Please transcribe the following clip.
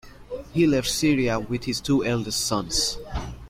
He left Syria with his two eldest sons.